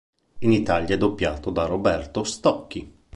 In Italia è doppiato da Roberto Stocchi.